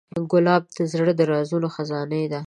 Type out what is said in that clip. ګلاب د زړه د رازونو خزانې ده.